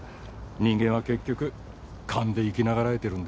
人間は結局勘で生き永らえてるんだって。